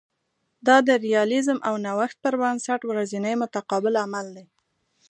دا د ریالیزم او نوښت پر بنسټ ورځنی متقابل عمل دی